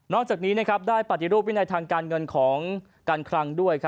อกจากนี้ได้ปฏิรูปวินัยทางการเงินของการคลังด้วย